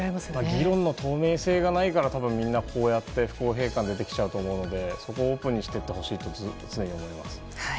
議論の透明性がないから多分みんなこうやって不公平感が出てきちゃうと思うのでそこをオープンにしてほしいと常に思いますね。